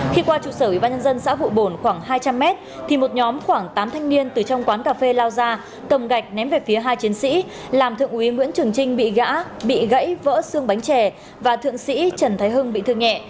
khi qua trụ sở ubnd xã vụ bồn khoảng hai trăm linh m thì một nhóm khoảng tám thanh niên từ trong quán cà phê lao gia cầm gạch ném về phía hai chiến sĩ làm thượng úy nguyễn trường trinh bị gã bị gãy vỡ xương bánh chè và thượng sĩ trần thái hưng bị thương nhẹ